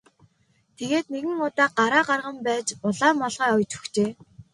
Тэгээд нэгэн удаа гараа гарган байж улаан малгай оёж өгчээ.